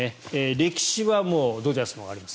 歴史はドジャースのがあります